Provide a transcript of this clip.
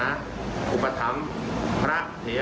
อุปธรรมพระเทวาราณเทวาพระมิตุหนุสัมมเนตน้อย